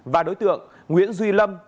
và đối tượng nguyễn duy lâm